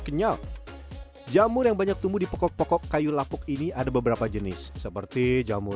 kenyal jamur yang banyak tumbuh di pokok pokok kayu lapuk ini ada beberapa jenis seperti jamur